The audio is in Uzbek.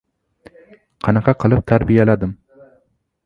Qanday qilib tarbiyaladim?